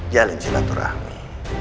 jalankan jilat rahmi